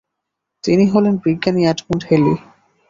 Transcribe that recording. তিনি হলেন বিজ্ঞানী এডমন্ড হ্যালি।